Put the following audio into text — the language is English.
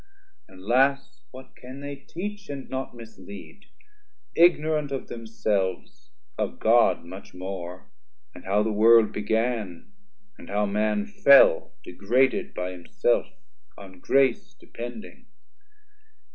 Alas what can they teach, and not mislead; Ignorant of themselves, of God much more, 310 And how the world began, and how man fell Degraded by himself, on grace depending?